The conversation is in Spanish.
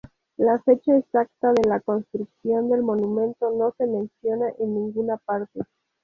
La fecha exacta de la construcción del monumento no se menciona en ninguna parte.